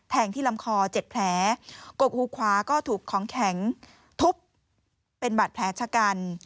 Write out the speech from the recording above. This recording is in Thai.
แทงที่ลำคอเจ็ดแผลกกหูขวาก็ถูกค้องแข็งทุบเป็นบัตรแผลชะกัน